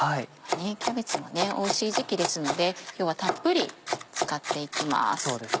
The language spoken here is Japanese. キャベツもおいしい時季ですので今日はたっぷり使っていきます。